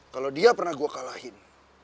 kalau dia pernah gue kalahin